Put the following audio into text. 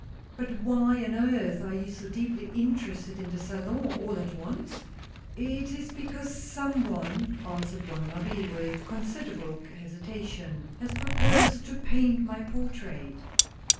" But why on earth are you so deeply interested in the Salon all at once ?" "It is because some one," answered Bonne Marie with considerable hesitation, "has proposed to paint my portrait."